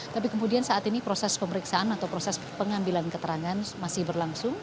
tapi kemudian saat ini proses pemeriksaan atau proses pengambilan keterangan masih berlangsung